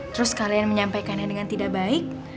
terus kalian menyampaikannya dengan tidak baik